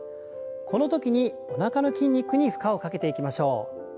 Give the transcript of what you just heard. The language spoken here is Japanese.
このときにおなかの筋肉に負荷をかけていきましょう。